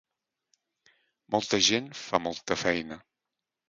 Molta gent fa molta feina.